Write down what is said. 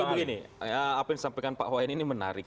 jadi begini apa yang disampaikan pak wayen ini menarik